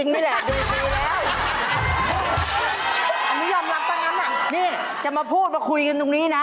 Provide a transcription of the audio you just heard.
นี่จะมาพูดมาคุยตรงนี้นะ